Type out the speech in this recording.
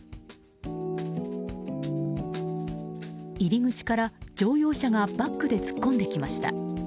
入り口から乗用車がバックで突っ込んできました。